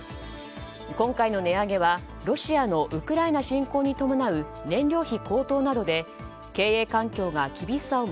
今回の値上げはロシアのウクライナ侵攻に伴う燃料費高騰などで経営環境が厳しさを